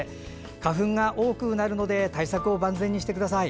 花粉が多くなるので対策を万全にしてください。